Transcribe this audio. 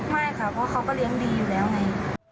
ไม่ค่ะเพราะเขาก็เลี้ยงดีอยู่แล้วไง